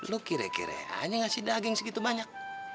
lu kira kira aja ngasih daging segitu banyak